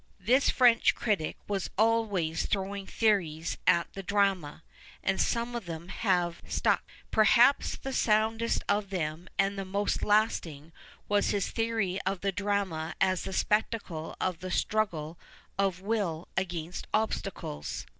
This French critic was always throwing theories at the drama, and some of them have stuck. Perhaps the soundest of them and the most lasting was his theory of the drama as the spectacle of the struggle of will against obstacles.